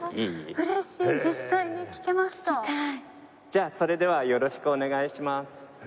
じゃあそれではよろしくお願いします。